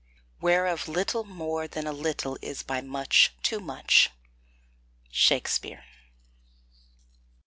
Whereof little More than a little is by much too much. SHAKSPEARE.